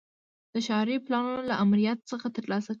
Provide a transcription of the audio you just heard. د ښاري پلانونو له آمریت څخه ترلاسه کړي.